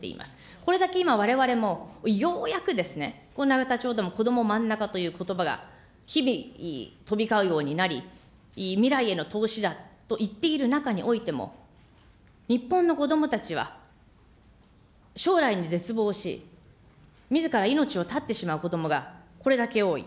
これだけ今、われわれもようやくここ永田町でもこどもまんなかということばが日々、飛び交うようになり、未来への投資だと言っている中においても、日本の子どもたちは将来に絶望し、みずから命を絶ってしまう子どもがこれだけ多い。